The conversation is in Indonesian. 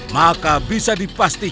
maka bisa dipastikan